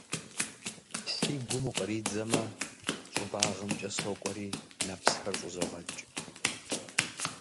Си гум укъыридзэмэ, щӏыбагъымкӏэ сокӏуэри нэпсхэр щӏызогъэкӏ.